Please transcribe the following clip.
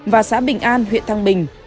và xã bình an huyện thăng bình